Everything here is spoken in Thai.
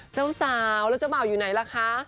เจ้าสาวแล้วเจ้าบ่าวอยู่ไหนล่ะคะ